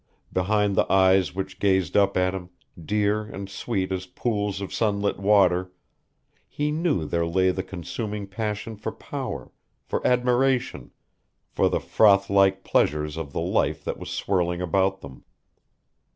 Behind the eyes which gazed up at him, dear and sweet as pools of sunlit water, he knew there lay the consuming passion for power, for admiration, for the froth like pleasures of the life that was swirling about them.